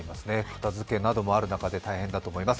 片づけなどもある中で大変だと思います。